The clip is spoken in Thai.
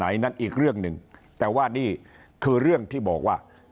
ไหนนั้นอีกเรื่องหนึ่งแต่ว่านี่คือเรื่องที่บอกว่า